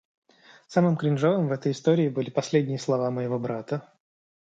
Самым кринжовым в этой истории были последние слова моего брата.